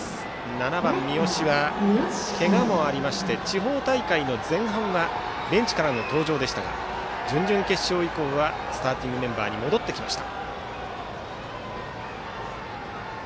７番、三好はけがもありまして地方大会の前半はベンチからの登場でしたが準々決勝以降はスターティングメンバーに戻ってきました。